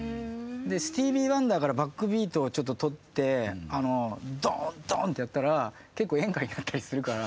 スティーヴィー・ワンダーからバックビートをちょっと取ってドンドンッてやったら結構演歌になったりするから。